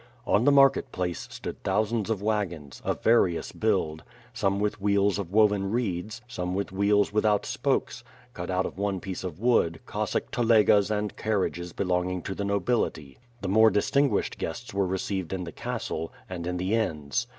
On the market place, stood thousands of wagons, of various build, some with wheels of woven reeds, some with wheels without spokes, cut out of one piece of wood, Cossack telegas and carriages belonging to the nobility. The more distinguished guests were received in the castle, and in the inns.